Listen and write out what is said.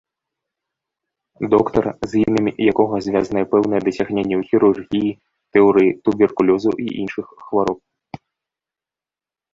Доктар, з імем якога звязаныя пэўныя дасягненні ў хірургіі, тэорыі туберкулёзу і іншых хвароб.